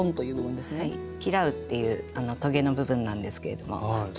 「キラウ」っていうとげの部分なんですけれども。